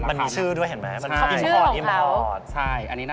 มันมีชื่อด้วยเห็นไหม